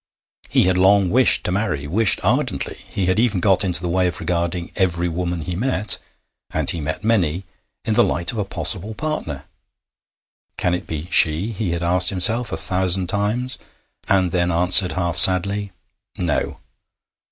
He had long wished to marry wished ardently; he had even got into the way of regarding every woman he met and he met many in the light of a possible partner. 'Can it be she? he had asked himself a thousand times, and then answered half sadly, 'No.'